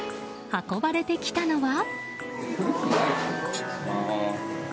運ばれてきたのは。